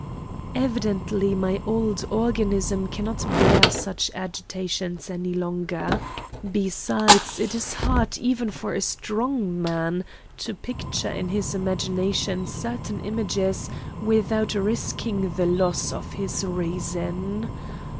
Evidently my old organism cannot bear such agitation any longer; besides, it is hard even for a strong man to picture in his imagination certain images without risking the loss of his reason.